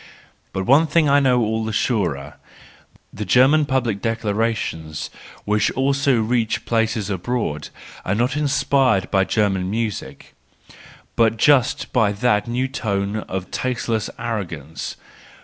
But one thing I know all the surer : the German public declara 144 the joyful WISDOM, II tions which also reach places abroad, are not inspired by German music, but just by that new tone of tasteless arrogance.